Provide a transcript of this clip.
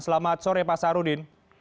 selamat sore pak saharudin